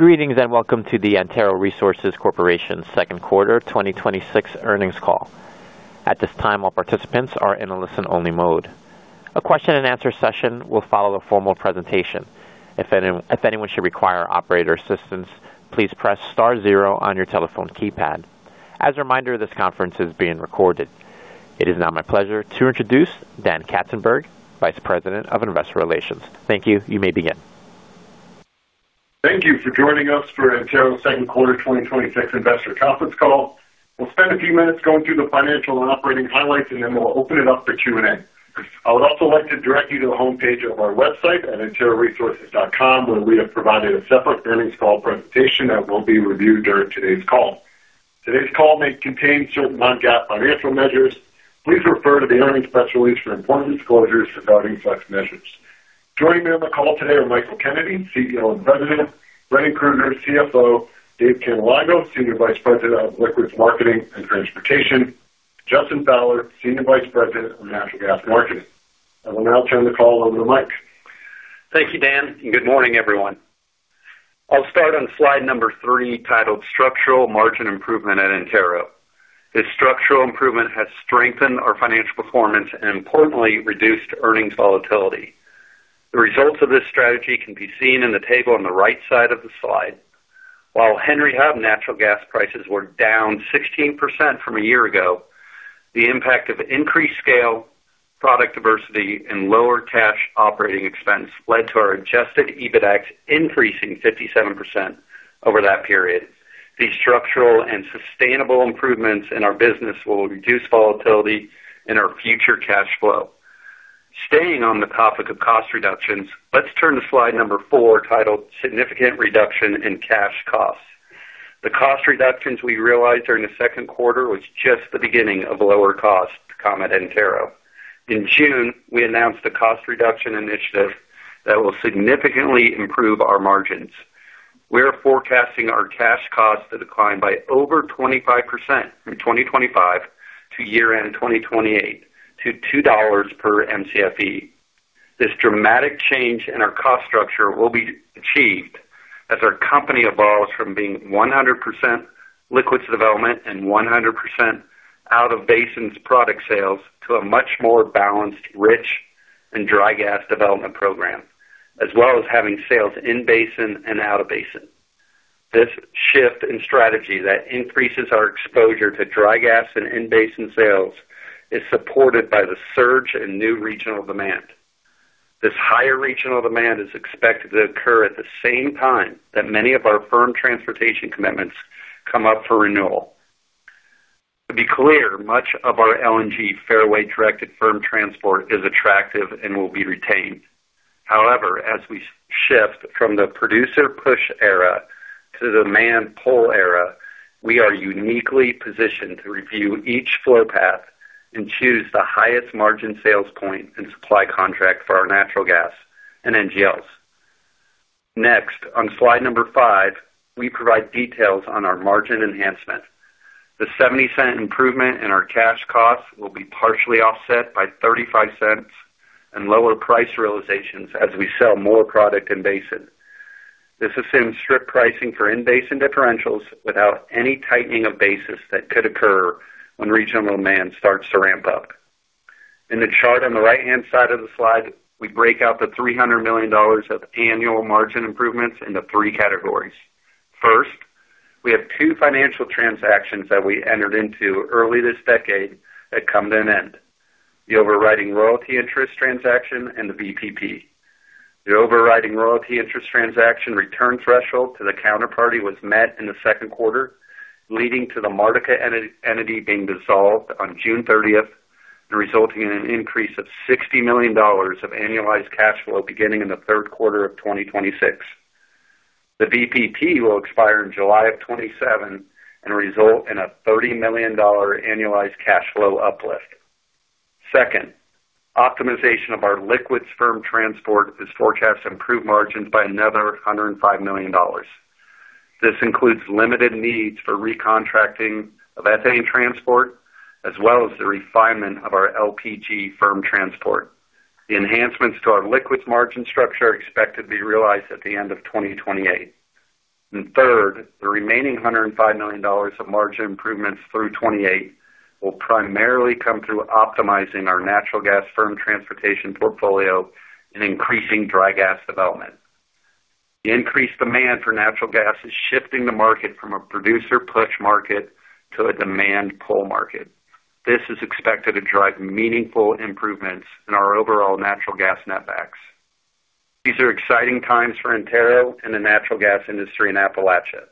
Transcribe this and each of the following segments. Greetings, welcome to the Antero Resources Corporation Second Quarter 2026 Earnings Call. At this time, all participants are in a listen-only mode. A question and answer session will follow the formal presentation. If anyone should require operator assistance, please press star zero on your telephone keypad. As a reminder, this conference is being recorded. It is now my pleasure to introduce Dan Katzenberg, Vice President of Investor Relations. Thank you. You may begin. Thank you for joining us for Antero's Second Quarter 2026 Investor Conference Call. We'll spend a few minutes going through the financial and operating highlights, then we'll open it up for Q&A. I would also like to direct you to the homepage of our website at anteroresources.com, where we have provided a separate earnings call presentation that will be reviewed during today's call. Today's call may contain certain non-GAAP financial measures. Please refer to the earnings press release for important disclosures regarding such measures. Joining me on the call today are Michael Kennedy, CEO and President; Brendan Krueger, CFO; Dave Cannelongo, Senior Vice President of Liquids Marketing and Transportation; Justin Fowler, Senior Vice President of Natural Gas Marketing. I will now turn the call over to Mike. Thank you, Dan, and good morning, everyone. I'll start on slide number three, titled Structural Margin Improvement at Antero. This structural improvement has strengthened our financial performance and importantly reduced earnings volatility. The results of this strategy can be seen in the table on the right side of the slide. While Henry Hub natural gas prices were down 16% from a year ago, the impact of increased scale, product diversity, and lower cash operating expense led to our adjusted EBITDA increasing 57% over that period. These structural and sustainable improvements in our business will reduce volatility in our future cash flow. Staying on the topic of cost reductions, let's turn to slide number four, titled Significant Reduction in Cash Costs. The cost reductions we realized during the second quarter was just the beginning of lower costs to come at Antero. In June, we announced a cost reduction initiative that will significantly improve our margins. We are forecasting our cash costs to decline by over 25% from 2025 to year-end 2028 to $2 per Mcfe. This dramatic change in our cost structure will be achieved as our company evolves from being 100% liquids development and 100% out-of-basin product sales to a much more balanced, rich and dry gas development program, as well as having sales in-basin and out-of-basin. This shift in strategy that increases our exposure to dry gas and in-basin sales is supported by the surge in new regional demand. This higher regional demand is expected to occur at the same time that many of our firm transportation commitments come up for renewal. To be clear, much of our LNG fairway-directed firm transport is attractive and will be retained. As we shift from the producer push era to demand pull era, we are uniquely positioned to review each flow path and choose the highest margin sales point and supply contract for our natural gas and NGLs. Next, on slide five, we provide details on our margin enhancement. The $0.70 improvement in our cash costs will be partially offset by $0.35 and lower price realizations as we sell more product in basin. This assumes strip pricing for in-basin differentials without any tightening of basis that could occur when regional demand starts to ramp up. In the chart on the right-hand side of the slide, we break out the $300 million of annual margin improvements into three categories. First, we have two financial transactions that we entered into early this decade that come to an end: the overriding royalty interest transaction and the VPP. The overriding royalty interest transaction return threshold to the counterparty was met in the second quarter, leading to the Martica entity being dissolved on June 30th and resulting in an increase of $60 million of annualized cash flow beginning in the third quarter of 2026. The VPP will expire in July of 2027 and result in a $30 million annualized cash flow uplift. Second, optimization of our liquids firm transport is forecast to improve margins by another $105 million. This includes limited needs for recontracting of ethane transport, as well as the refinement of our LPG firm transport. The enhancements to our liquids margin structure are expected to be realized at the end of 2028. Third, the remaining $105 million of margin improvements through 2028 will primarily come through optimizing our natural gas firm transportation portfolio and increasing dry gas development. The increased demand for natural gas is shifting the market from a producer push market to a demand pull market. This is expected to drive meaningful improvements in our overall natural gas netbacks. These are exciting times for Antero and the natural gas industry in Appalachia.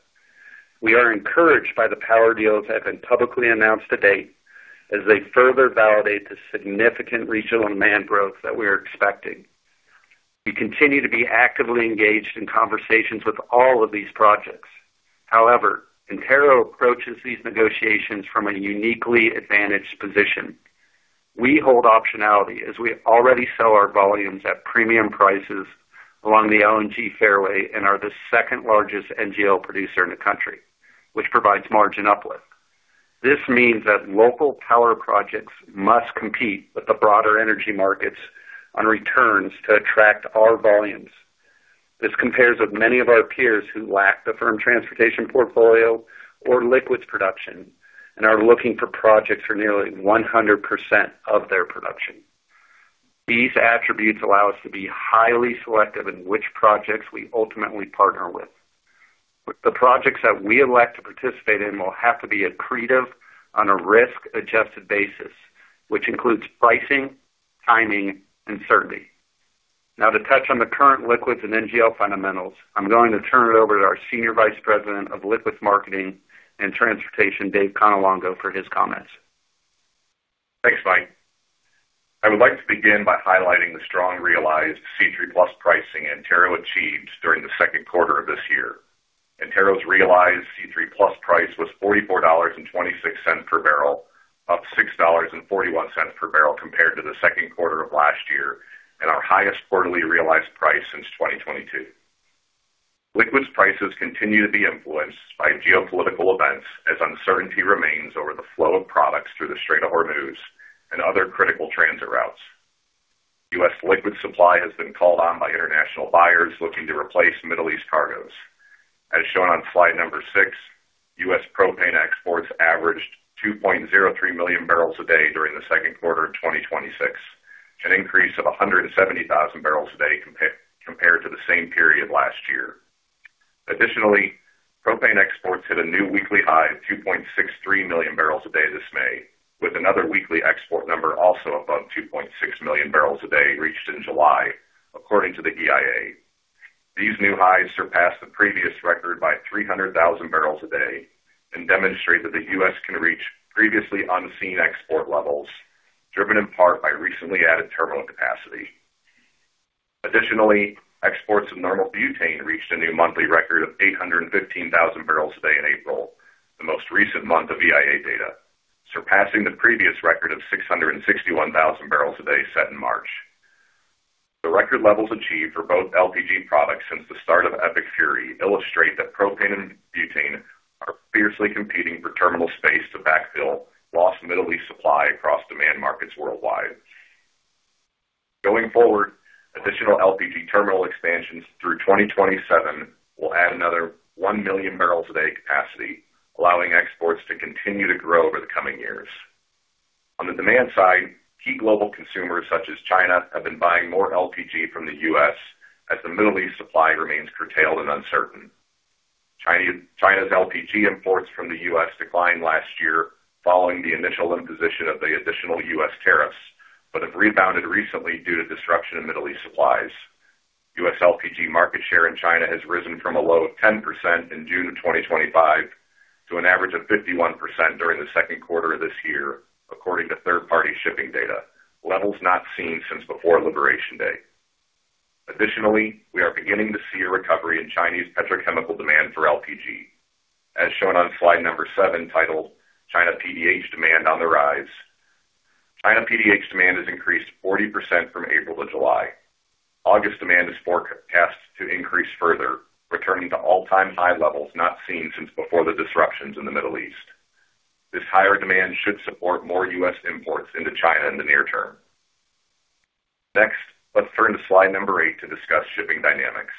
We are encouraged by the power deals that have been publicly announced to date as they further validate the significant regional demand growth that we are expecting. We continue to be actively engaged in conversations with all of these projects. Antero approaches these negotiations from a uniquely advantaged position. We hold optionality as we already sell our volumes at premium prices along the LNG fairway and are the second largest NGL producer in the country, which provides margin uplift. This means that local power projects must compete with the broader energy markets on returns to attract our volumes. This compares with many of our peers who lack the firm transportation portfolio or liquids production and are looking for projects for nearly 100% of their production. These attributes allow us to be highly selective in which projects we ultimately partner with. The projects that we elect to participate in will have to be accretive on a risk-adjusted basis, which includes pricing, timing, and certainty. To touch on the current liquids and NGL fundamentals, I'm going to turn it over to our Senior Vice President of Liquids Marketing and Transportation, Dave Cannelongo, for his comments. Thanks, Mike. I would like to begin by highlighting the strong realized C3+ pricing Antero achieved during the second quarter of this year. Antero's realized C3+ price was $44.26 per barrel, up $6.41 per barrel compared to the second quarter of last year, and our highest quarterly realized price since 2022. Liquids prices continue to be influenced by geopolitical events as uncertainty remains over the flow of products through the Strait of Hormuz and other critical transit routes. U.S. liquid supply has been called on by international buyers looking to replace Middle East cargoes. As shown on slide number six, U.S. propane exports averaged 2.03 million barrels a day during the second quarter of 2026, an increase of 170,000 barrels a day compared to the same period last year. Additionally, propane exports hit a new weekly high of 2.63 million barrels a day this May, with another weekly export number also above 2.6 million barrels a day reached in July, according to the EIA. These new highs surpass the previous record by 300,000 barrels a day and demonstrate that the U.S. can reach previously unseen export levels, driven in part by recently added terminal capacity. Additionally, exports of normal butane reached a new monthly record of 815,000 barrels a day in April, the most recent month of EIA data, surpassing the previous record of 661,000 barrels a day set in March. The record levels achieved for both LPG products since the start of the year illustrate that propane and butane are fiercely competing for terminal space to backfill lost Middle East supply across demand markets worldwide. Going forward, additional LPG terminal expansions through 2027 will add another 1 million barrels a day capacity, allowing exports to continue to grow over the coming years. On the demand side, key global consumers such as China have been buying more LPG from the U.S. as the Middle East supply remains curtailed and uncertain. China's LPG imports from the U.S. declined last year following the initial imposition of the additional U.S. tariffs, but have rebounded recently due to disruption in Middle East supplies. U.S. LPG market share in China has risen from a low of 10% in June of 2025 to an average of 51% during the second quarter of this year, according to third-party shipping data, levels not seen since before Liberation Day. Additionally, we are beginning to see a recovery in Chinese petrochemical demand for LPG. As shown on slide number seven, titled "China PDH Demand on the Rise," China PDH demand has increased 40% from April to July. August demand is forecast to increase further, returning to all-time high levels not seen since before the disruptions in the Middle East. This higher demand should support more U.S. imports into China in the near term. Next, let's turn to slide number eight to discuss shipping dynamics.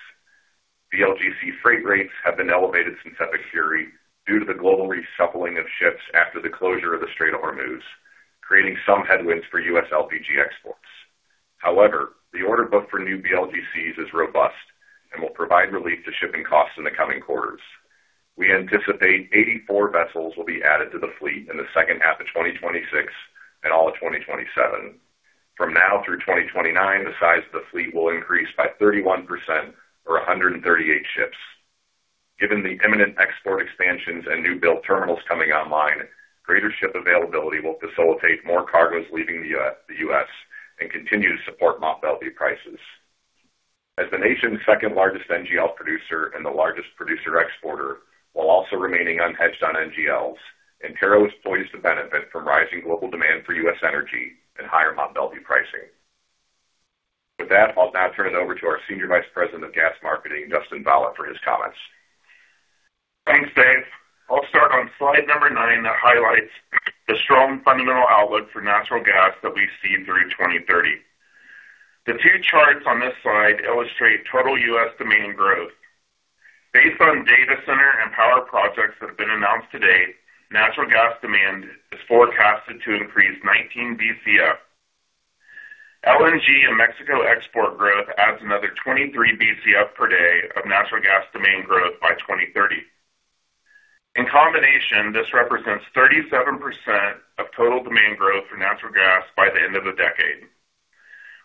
VLGC freight rates have been elevated since the quarter due to the global resupplying of ships after the closure of the Strait of Hormuz, creating some headwinds for U.S. LPG exports. However, the order book for new VLGCs is robust and will provide relief to shipping costs in the coming quarters. We anticipate 84 vessels will be added to the fleet in the second half of 2026 and all of 2027. From now through 2029, the size of the fleet will increase by 31%, or 138 ships. Given the imminent export expansions and new build terminals coming online, greater ship availability will facilitate more cargoes leaving the U.S. and continue to support Mont Belvieu prices. As the nation's second-largest NGL producer and the largest producer exporter, while also remaining unhedged on NGLs, Antero is poised to benefit from rising global demand for U.S. energy and higher Mont Belvieu pricing. With that, I'll now turn it over to our Senior Vice President of Gas Marketing, Justin Fowler, for his comments. Thanks, Dave. I'll start on slide number nine that highlights the strong fundamental outlook for natural gas that we see through 2030. The two charts on this slide illustrate total U.S. demand growth. Based on data center and power projects that have been announced to date, natural gas demand is forecasted to increase 19 Bcf. LNG and Mexico export growth adds another 23 Bcf per day of natural gas demand growth by 2030. In combination, this represents 37% of total demand growth for natural gas by the end of the decade.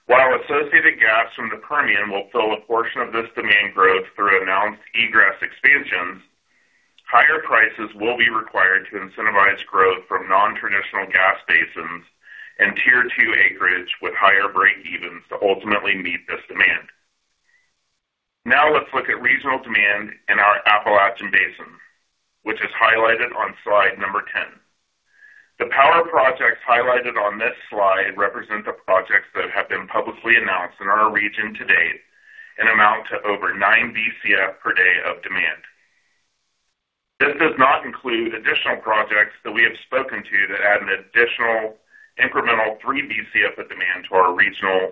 While associated gas from the Permian will fill a portion of this demand growth through announced egress expansions, higher prices will be required to incentivize growth from non-traditional gas basins and Tier 2 acreage with higher breakevens to ultimately meet this demand. Let's look at regional demand in our Appalachian Basin, which is highlighted on slide number 10. The four projects highlighted on this slide represent the projects that have been publicly announced in our region to date and amount to over nine Bcf per day of demand. This does not include additional projects that we have spoken to that add an additional incremental three Bcf of demand to our regional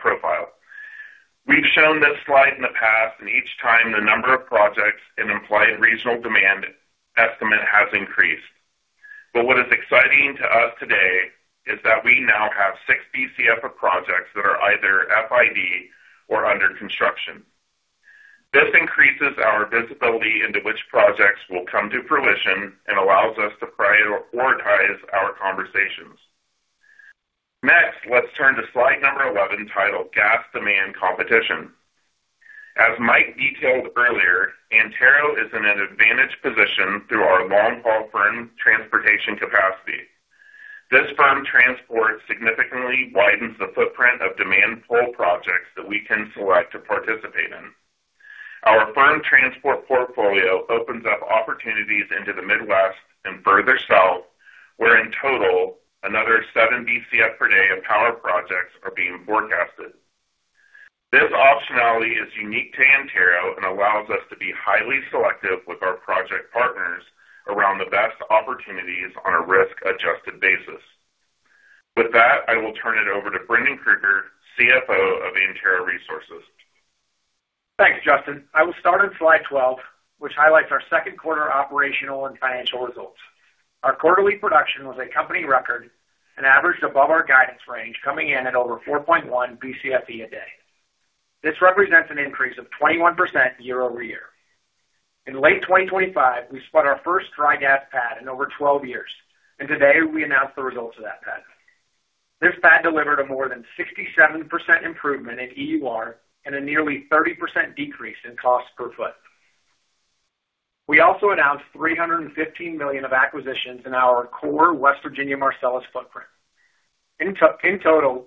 profile. We've shown this slide in the past, and each time the number of projects and implied regional demand estimate has increased. What is exciting to us today is that we now have six Bcf of projects that are either FID or under construction. This increases our visibility into which projects will come to fruition and allows us to prioritize our conversations. Let's turn to slide number 11 titled Gas Demand Competition. As Mike detailed earlier, Antero is in an advantaged position through our long-haul firm transportation capacity. This firm transport significantly widens the footprint of demand pull projects that we can select to participate in. Our firm transport portfolio opens up opportunities into the Midwest and further south, where in total, another seven Bcf per day of power projects are being forecasted. This optionality is unique to Antero and allows us to be highly selective with our project partners around the best opportunities on a risk-adjusted basis. With that, I will turn it over to Brendan Krueger, CFO of Antero Resources. Thanks, Justin. I will start on slide 12, which highlights our second quarter operational and financial results. Our quarterly production was a company record and averaged above our guidance range, coming in at over 4.1 Bcfe a day. This represents an increase of 21% year-over-year. In late 2025, we spot our first dry gas pad in over 12 years, and today we announced the results of that pad. This pad delivered a more than 67% improvement in EUR and a nearly 30% decrease in cost per foot. We also announced $315 million of acquisitions in our core West Virginia Marcellus footprint. In total,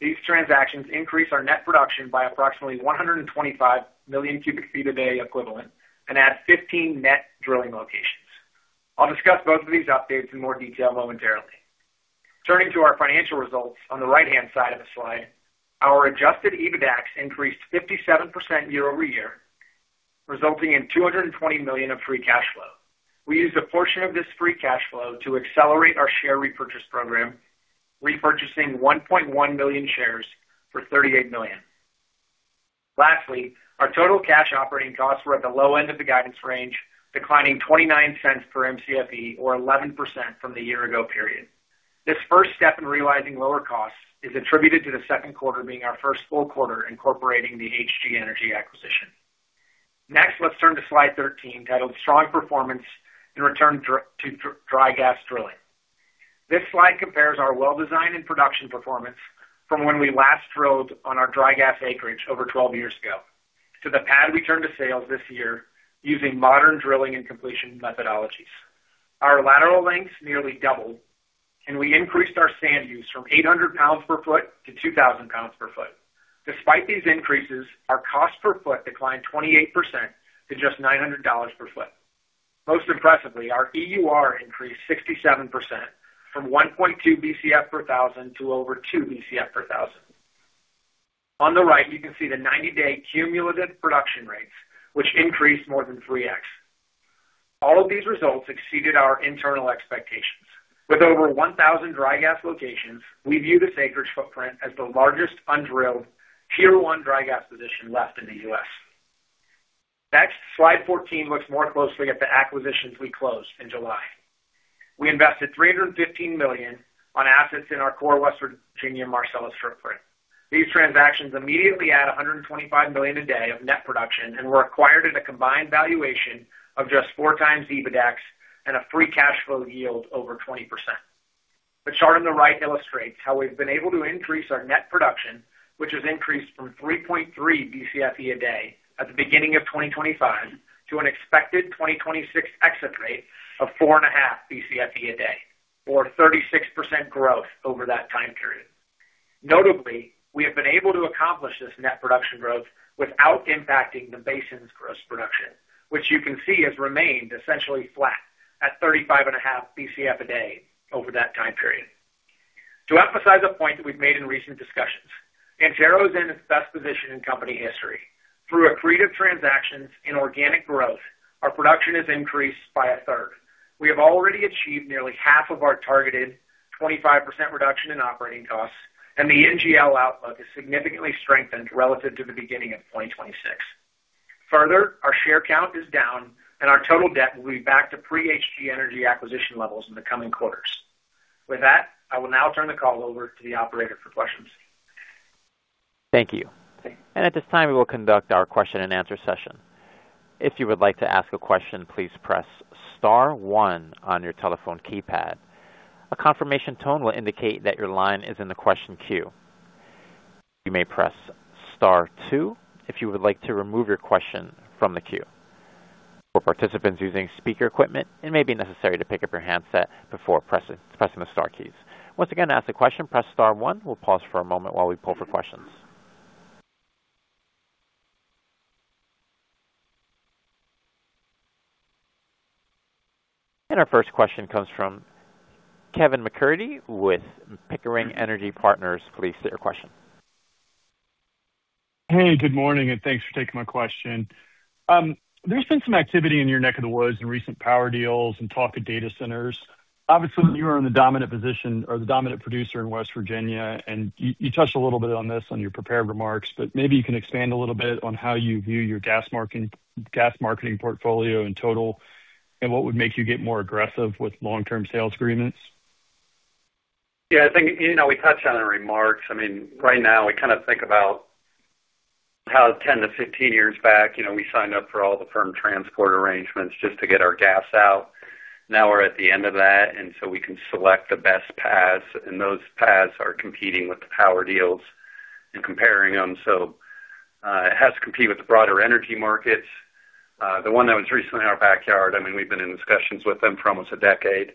these transactions increase our net production by approximately 125 million cubic feet a day equivalent and add 15 net drilling locations. I'll discuss both of these updates in more detail momentarily. Turning to our financial results on the right-hand side of the slide, our adjusted EBITDAX increased 57% year-over-year, resulting in $220 million of free cash flow. We used a portion of this free cash flow to accelerate our share repurchase program, repurchasing 1.1 million shares for $38 million. Lastly, our total cash operating costs were at the low end of the guidance range, declining $0.29 per Mcfe or 11% from the year-ago period. This first step in realizing lower costs is attributed to the second quarter being our first full quarter incorporating the HG Energy acquisition. Next, let's turn to slide 13, titled Strong Performance in Return to Dry Gas Drilling. This slide compares our well design and production performance from when we last drilled on our dry gas acreage over 12 years ago to the pad we turned to sales this year using modern drilling and completion methodologies. Our lateral lengths nearly doubled, and we increased our sand use from 800 pounds per foot to 2,000 pounds per foot. Despite these increases, our cost per foot declined 28% to just $900 per foot. Most impressively, our EUR increased 67% from 1.2 Bcf per thousand to over 2 Bcf per thousand. On the right, you can see the 90-day cumulative production rates, which increased more than 3x. All of these results exceeded our internal expectations. With over 1,000 dry gas locations, we view this acreage footprint as the largest undrilled Tier 1 dry gas position left in the U.S. Slide 14 looks more closely at the acquisitions we closed in July. We invested $315 million on assets in our core West Virginia Marcellus footprint. These transactions immediately add 125 million a day of net production and were acquired at a combined valuation of just four times EBITDAX and a free cash flow yield over 20%. The chart on the right illustrates how we've been able to increase our net production, which has increased from 3.3 Bcfe a day at the beginning of 2025 to an expected 2026 exit rate of 4.5 Bcfe a day or 36% growth over that time period. Notably, we have been able to accomplish this net production growth without impacting the basin's gross production, which you can see has remained essentially flat at 35.5 Bcf a day over that time period. To emphasize a point that we've made in recent discussions, Antero is in its best position in company history. Through accretive transactions and organic growth, our production has increased by a third. We have already achieved nearly half of our targeted 25% reduction in operating costs, and the NGL outlook is significantly strengthened relative to the beginning of 2026. Our share count is down, and our total debt will be back to pre-HG Energy acquisition levels in the coming quarters. With that, I will now turn the call over to the operator for questions. Thank you. Thank you. At this time, we will conduct our question and answer session. If you would like to ask a question, please press star one on your telephone keypad. A confirmation tone will indicate that your line is in the question queue. You may press star two if you would like to remove your question from the queue. For participants using speaker equipment, it may be necessary to pick up your handset before pressing the star keys. Once again, to ask a question, press star one. We will pause for a moment while we pull for questions. Our first question comes from Kevin MacCurdy with Pickering Energy Partners. Please state your question. Hey, good morning, and thanks for taking my question. There's been some activity in your neck of the woods in recent power deals and talk of data centers. Obviously, you are in the dominant position or the dominant producer in West Virginia. You touched a little bit on this on your prepared remarks. Maybe you can expand a little bit on how you view your gas marketing portfolio in total. What would make you get more aggressive with long-term sales agreements. Yeah, I think we touched on the remarks. Right now, we think about how 10 to 15 years back, we signed up for all the firm transport arrangements just to get our gas out. Now we're at the end of that. We can select the best paths. Those paths are competing with the power deals and comparing them. It has to compete with the broader energy markets. The one that was recently in our backyard, we've been in discussions with them for almost a decade.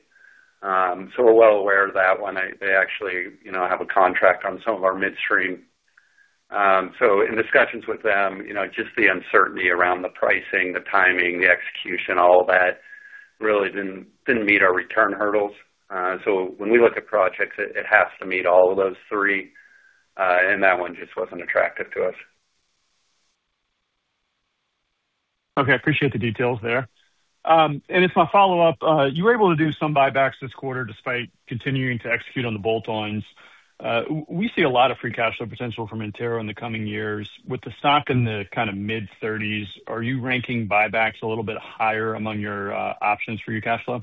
We're well aware of that one. They actually have a contract on some of our midstream. In discussions with them, just the uncertainty around the pricing, the timing, the execution, all of that really didn't meet our return hurdles. When we look at projects, it has to meet all of those three. That one just wasn't attractive to us. Okay. I appreciate the details there. As my follow-up, you were able to do some buybacks this quarter despite continuing to execute on the bolt-ons. We see a lot of free cash flow potential from Antero in the coming years. With the stock in the mid-30s, are you ranking buybacks a little bit higher among your options for your cash flow?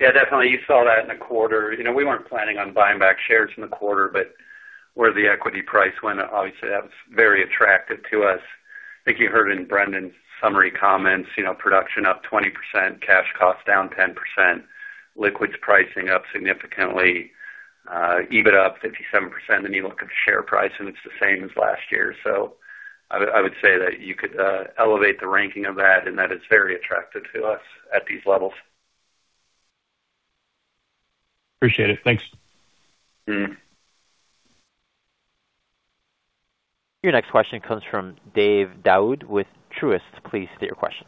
Yeah, definitely. You saw that in the quarter. We weren't planning on buying back shares in the quarter, where the equity price went, obviously, that was very attractive to us. I think you heard in Brendan's summary comments, production up 20%, cash cost down 10%, liquids pricing up significantly, EBITDA up 57%. You look at the share price, and it's the same as last year. I would say that you could elevate the ranking of that, and that is very attractive to us at these levels. Appreciate it. Thanks. Your next question comes from Gabe Daoud with Truist. Please state your question.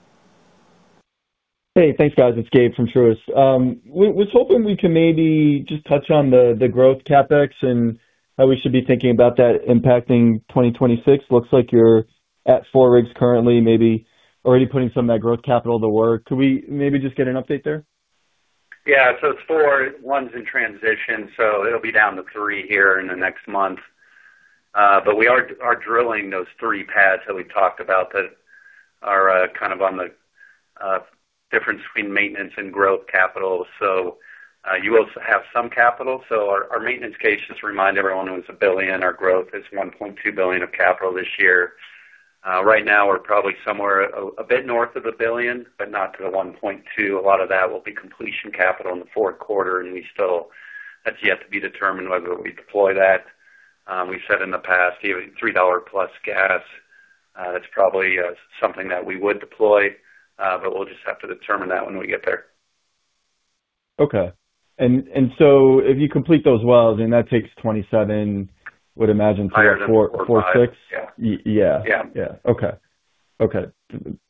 Hey, thanks, guys. It's Gabe from Truist. Was hoping we could maybe just touch on the growth CapEx and how we should be thinking about that impacting 2026. Looks like you're at four rigs currently, maybe already putting some of that growth capital to work. Could we maybe just get an update there? Yeah. It's four. One's in transition, it'll be down to three here in the next month. We are drilling those three pads that we talked about that are on the difference between maintenance and growth capital. You will have some capital. Our maintenance case, just to remind everyone, was $1 billion. Our growth is $1.2 billion of capital this year. Right now, we're probably somewhere a bit north of $1 billion, but not to the $1.2 billion. A lot of that will be completion capital in the fourth quarter, and that's yet to be determined whether we deploy that. We said in the past, even $3 plus gas, that's probably something that we would deploy. We'll just have to determine that when we get there. Okay. If you complete those wells, and that takes 2027, would imagine four six. Yeah. Yeah. Yeah. Okay.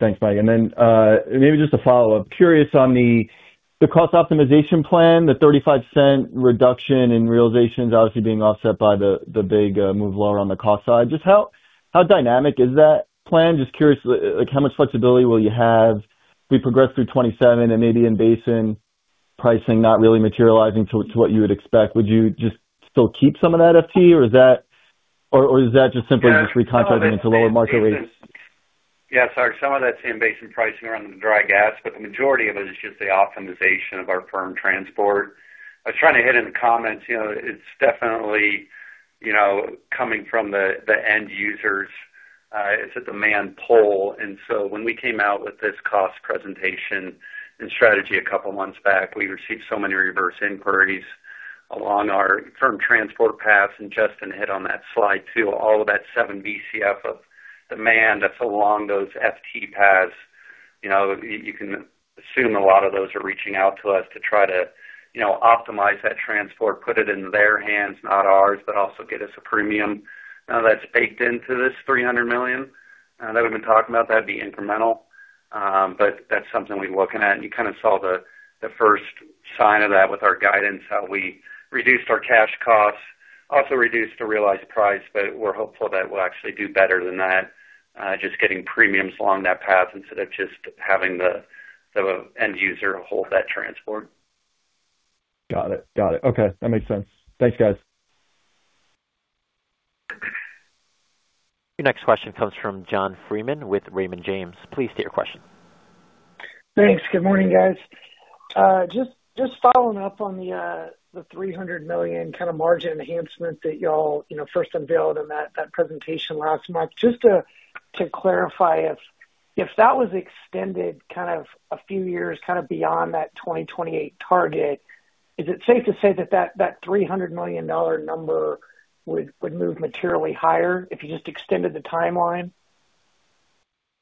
Thanks, Mike. Maybe just a follow-up. Curious on the cost optimization plan, the 35% reduction in realization is obviously being offset by the big move lower on the cost side. Just how dynamic is that plan? Just curious, how much flexibility will you have as we progress through 2027 and maybe in basin pricing not really materializing to what you would expect? Would you just still keep some of that FT, or is that just simply recontracting into lower market rates? Yeah, sorry. Some of that's in basin pricing around the dry gas, the majority of it is just the optimization of our FT. I was trying to hit in the comments, it's definitely coming from the end users. It's a demand pull. When we came out with this cost presentation and strategy a couple of months back, we received so many reverse inquiries along our FT paths. Justin hit on that slide, too. All of that seven Bcf of demand, that's along those FT paths. You can assume a lot of those are reaching out to us to try to optimize that transport, put it in their hands, not ours, also get us a premium. None of that's baked into this $300 million that we've been talking about. That'd be incremental. That's something we're looking at, and you kind of saw the first sign of that with our guidance, how we reduced our cash costs, also reduced the realized price. We're hopeful that we'll actually do better than that, just getting premiums along that path instead of just having the end user hold that transport. Got it. Okay. That makes sense. Thanks, guys. Your next question comes from John Freeman with Raymond James. Please state your question. Thanks. Good morning, guys. Following up on the $300 million margin enhancement that you all first unveiled in that presentation last month. To clarify, if that was extended a few years beyond that 2028 target, is it safe to say that that $300 million number would move materially higher if you just extended the timeline?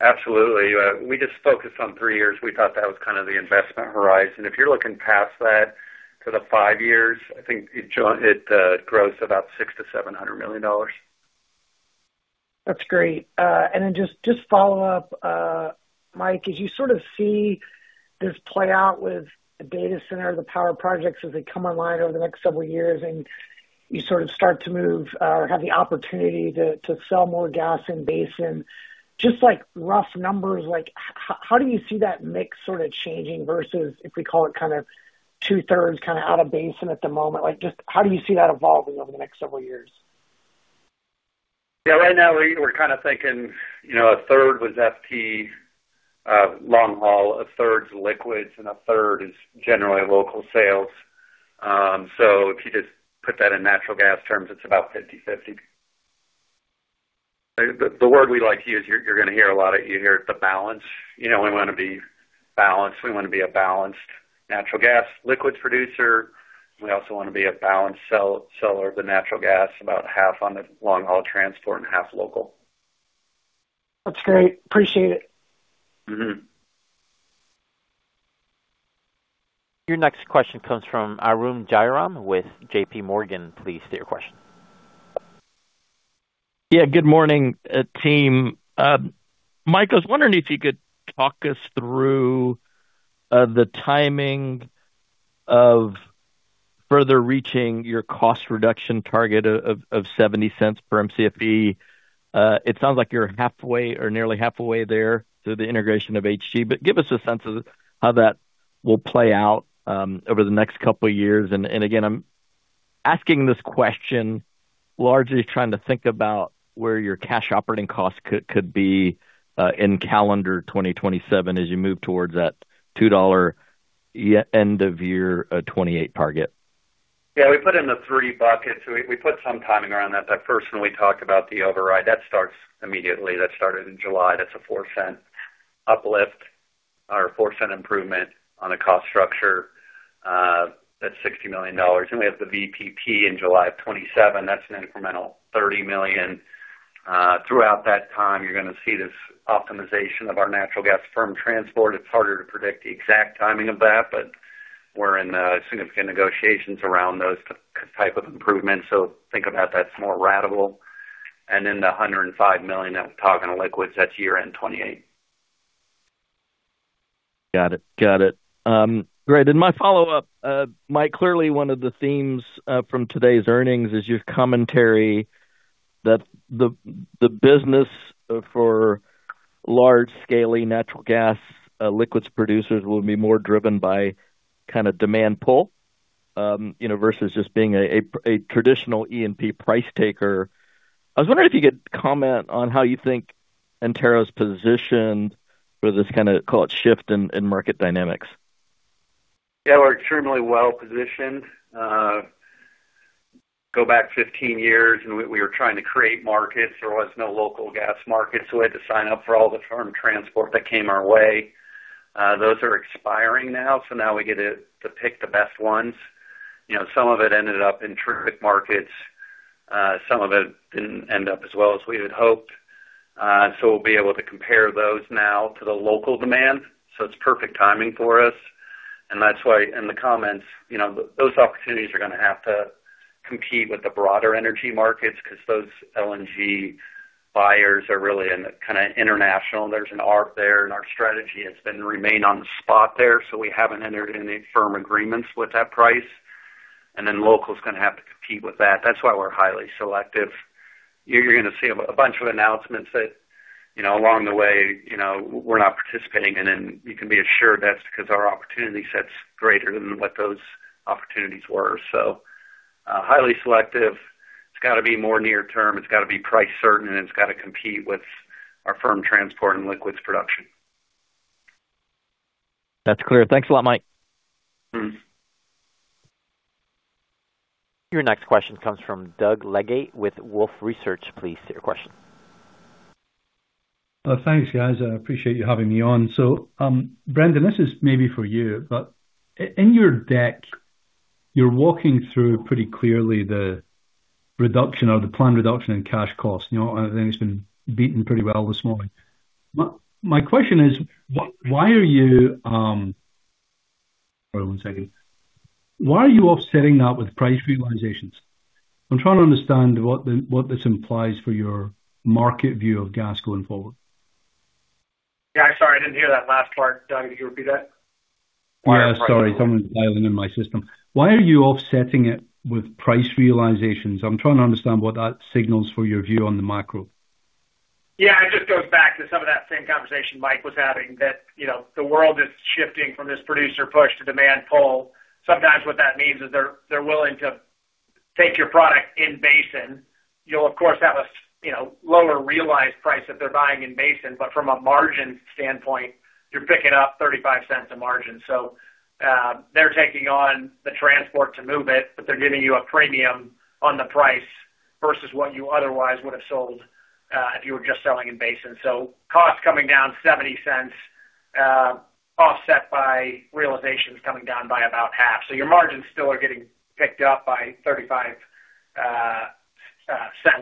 Absolutely. We just focused on three years. We thought that was the investment horizon. If you're looking past that to the five years, I think it grows about $600 million-$700 million. That's great. Then just follow up, Mike, as you sort of see this play out with the data center, the power projects, as they come online over the next several years, and you start to have the opportunity to sell more gas in basin. Like rough numbers, how do you see that mix sort of changing versus, if we call it two-thirds out of basin at the moment? How do you see that evolving over the next several years? Yeah. Right now, we're kind of thinking, a third was FP long haul, a third's liquids, and a third is generally local sales. If you just put that in natural gas terms, it's about 50/50. The word we like to use, you're going to hear a lot, you hear the balance. We want to be balanced. We want to be a balanced natural gas liquids producer. We also want to be a balanced seller of the natural gas, about half on the long-haul transport and half local. That's great. Appreciate it. Your next question comes from Arun Jayaram with JPMorgan. Please state your question. Good morning, team. Mike, I was wondering if you could talk us through the timing of further reaching your cost reduction target of $0.70 per Mcfe. It sounds like you're halfway or nearly halfway there through the integration of HG, but give us a sense of how that will play out over the next couple of years. I'm asking this question largely trying to think about where your cash operating costs could be in calendar 2027 as you move towards that $2 end of year 2028 target. We put in the three buckets. We put some timing around that. That first one, we talked about the override. That starts immediately. That started in July. That's a $0.04 uplift or a $0.04 improvement on a cost structure. That's $60 million. We have the VPP in July of 2027. That's an incremental $30 million. Throughout that time, you're going to see this optimization of our natural gas firm transport. It's harder to predict the exact timing of that, but we're in significant negotiations around those type of improvements. Think about that's more ratable. Then the $105 million that we're talking on liquids, that's year-end 2028. Got it. Great. My follow-up, Mike, clearly one of the themes from today's earnings is your commentary that the business for large-scale natural gas liquids producers will be more driven by demand pull versus just being a traditional E&P price taker. I was wondering if you could comment on how you think Antero's positioned for this kind of, call it, shift in market dynamics. Yeah. We're extremely well-positioned. Go back 15 years, we were trying to create markets. There was no local gas market, we had to sign up for all the firm transport that came our way. Those are expiring now we get to pick the best ones. Some of it ended up in terrific markets. Some of it didn't end up as well as we had hoped. We'll be able to compare those now to the local demand. It's perfect timing for us. That's why in the comments, those opportunities are going to have to compete with the broader energy markets because those LNG buyers are really in the international. There's an arc there, our strategy has been to remain on the spot there. We haven't entered any firm agreements with that price. Local is going to have to compete with that. That's why we're highly selective. You're going to see a bunch of announcements that along the way, we're not participating in, you can be assured that's because our opportunity set's greater than what those opportunities were. Highly selective. It's got to be more near term, it's got to be price certain, it's got to compete with our firm transport and liquids production. That's clear. Thanks a lot, Mike. Your next question comes from Doug Leggate with Wolfe Research. Please state your question. Thanks, guys. I appreciate you having me on. Brendan, this is maybe for you, but in your deck, you're walking through pretty clearly the reduction or the planned reduction in cash costs. I think it's been beaten pretty well this morning. My question is. One second. Why are you offsetting that with price realizations? I'm trying to understand what this implies for your market view of gas going forward. Yeah. Sorry, I didn't hear that last part. Doug, could you repeat that? Yeah, sorry. Something's dialing in my system. Why are you offsetting it with price realizations? I'm trying to understand what that signals for your view on the macro. Yeah. It just goes back to some of that same conversation Mike was having, that the world is shifting from this producer push to demand pull. Sometimes what that means is they're willing to take your product in basin. You'll of course have a lower realized price if they're buying in basin. From a margin standpoint, you're picking up $0.35 a margin. They're taking on the transport to move it, but they're giving you a premium on the price versus what you otherwise would have sold if you were just selling in basin. Cost coming down $0.70, offset by realizations coming down by about half. Your margins still are getting picked up by $0.35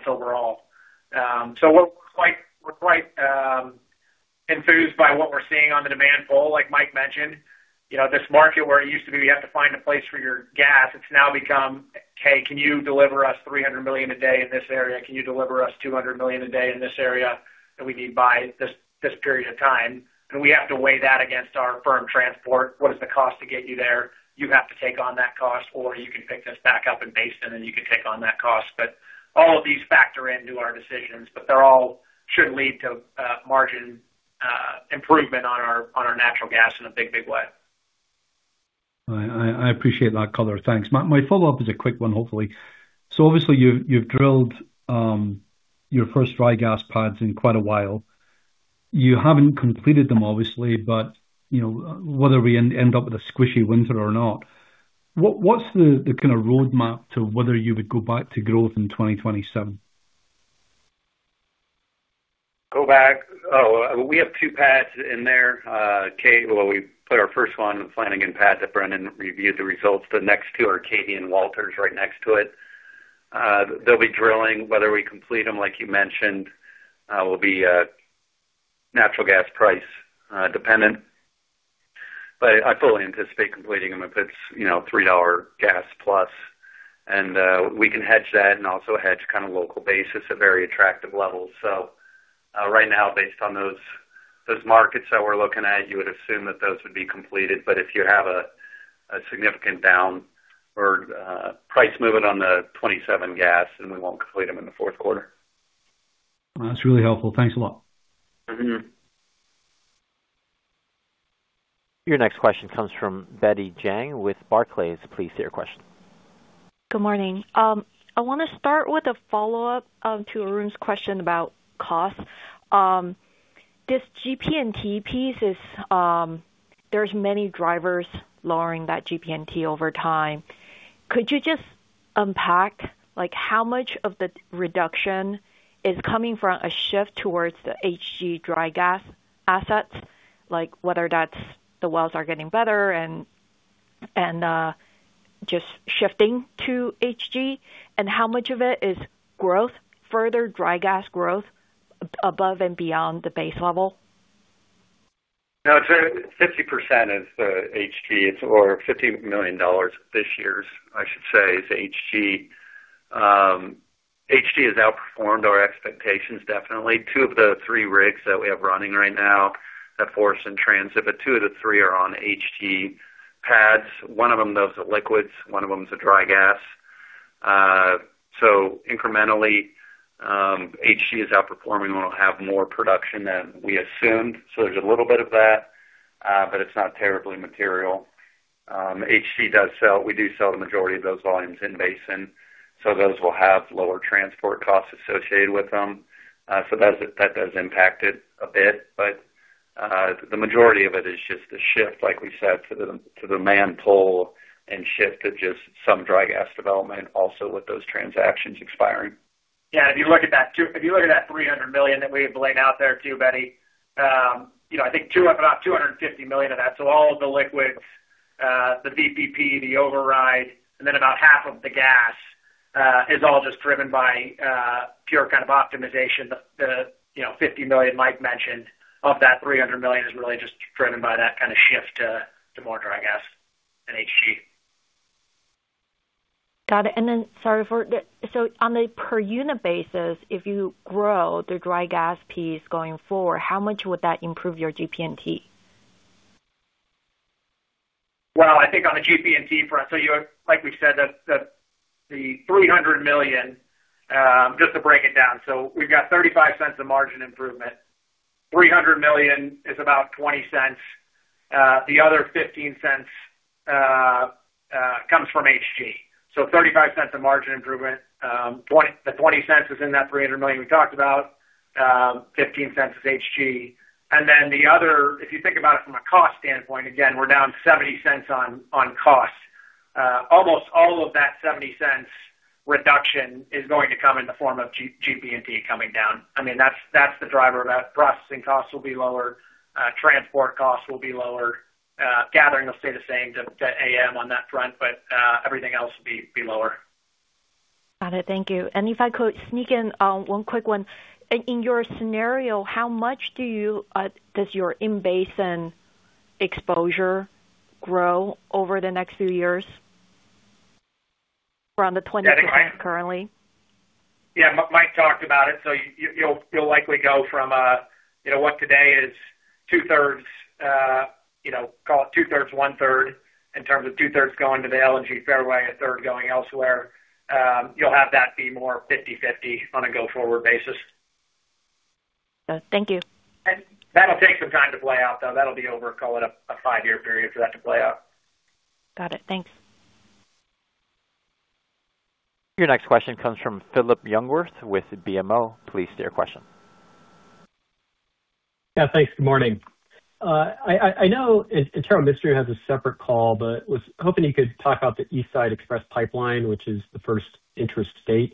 overall. Seeing on the demand pull, like Mike mentioned, this market where it used to be you have to find a place for your gas, it's now become, "Hey, can you deliver us 300 million a day in this area? Can you deliver us 200 million a day in this area that we need by this period of time?" We have to weigh that against our firm transport. What is the cost to get you there? You have to take on that cost, or you can pick this back up in basin, and you can take on that cost. All of these factor into our decisions, but they all should lead to margin improvement on our natural gas in a big way. I appreciate that color. Thanks. My follow-up is a quick one, hopefully. Obviously you've drilled your first dry gas pads in quite a while. You haven't completed them, obviously, but whether we end up with a squishy winter or not, what's the kind of roadmap to whether you would go back to growth in 2027? Go back. We have two pads in there. We put our first one in Flanigan Pad that Brendan reviewed the results. The next two are Katie and Walter's right next to it. They'll be drilling. Whether we complete them, like you mentioned, will be natural gas price dependent. I fully anticipate completing them if it's $3 gas plus, and we can hedge that and also hedge local basis at very attractive levels. Right now based on those markets that we're looking at, you would assume that those would be completed, but if you have a significant down or price movement on the 2027 gas, then we won't complete them in the fourth quarter. That's really helpful. Thanks a lot. Your next question comes from Betty Jiang with Barclays. Please state your question. Good morning. I want to start with a follow-up to Arun's question about cost. This GP&T piece, there's many drivers lowering that GP&T over time. Could you just unpack how much of the reduction is coming from a shift towards the HG dry gas assets? Like whether that's the wells are getting better and just shifting to HG, and how much of it is further dry gas growth above and beyond the base level? 50% is HG. It's over $50 million. This year's, I should say, is HG. HG has outperformed our expectations, definitely. Two of the three rigs that we have running right now have force and transit, but two of the three are on HG pads. One of them does the liquids, one of them's a dry gas. Incrementally, HG is outperforming. We'll have more production than we assumed. There's a little bit of that, but it's not terribly material. We do sell the majority of those volumes in basin, so those will have lower transport costs associated with them. That has impacted a bit, but the majority of it is just a shift, like we said, to the demand pull and shift to just some dry gas development also with those transactions expiring. Yeah, if you look at that $300 million that we have laid out there too, Betty, I think about $250 million of that. All of the liquids, the VPP, the override, and then about half of the gas, is all just driven by pure optimization. The $50 million Mike mentioned of that $300 million is really just driven by that kind of shift to more dry gas than HG. Got it. Sorry for the on the per unit basis, if you grow the dry gas piece going forward, how much would that improve your GP&T? Well, I think on the GP&T front, like we said, the $300 million, just to break it down. We've got $0.35 of margin improvement. $300 million is about $0.20. The other $0.15 comes from HG. The other, if you think about it from a cost standpoint, again, we're down $0.70 on cost. Almost all of that $0.70 reduction is going to come in the form of GP&T coming down. That's the driver. That processing cost will be lower. Transport costs will be lower. Gathering will stay the same to AM on that front, but everything else will be lower. Got it. Thank you. If I could sneak in one quick one. In your scenario, how much does your in-basin exposure grow over the next few years? We're on the 20% currently. Yeah. Mike talked about it. You'll likely go from what today is two-thirds, call it two-thirds, one-third in terms of two-thirds going to the LNG fairway, a third going elsewhere. You'll have that be more 50/50 on a go-forward basis. Thank you. That'll take some time to play out, though. That'll be over, call it, a five-year period for that to play out. Got it. Thanks. Your next question comes from Phillip Jungwirth with BMO. Please state your question. Yeah. Thanks. Good morning. I know Antero Midstream has a separate call, was hoping you could talk about the East Side Express Pipeline, which is the first intrastate